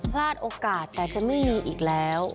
พลาดโอกาสแต่จะไม่มีอีกแล้ว